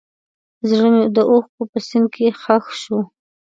زړه مې د اوښکو په سیند کې ښخ شو.